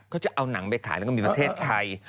เขาจะเอาหนังไปขายแล้วก็มีประเทศไทย